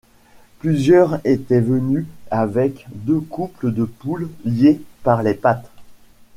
Plusieurs étaient venues avec deux couples de poules liées par les pattes.